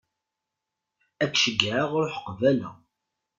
Ad k-ceyyɛeɣ ruḥ qbala.